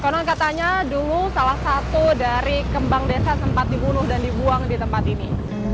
konon katanya dulu salah satu dari kembang desa sempat dibunuh dan dibuang di tempat ini